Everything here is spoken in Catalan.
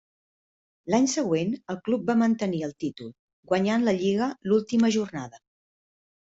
L'any següent, el club va mantenir el títol, guanyant la lliga l'última jornada.